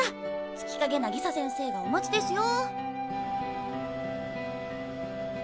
月影渚先生がお待ちですよ。